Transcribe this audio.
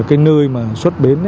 cái nơi xuất biến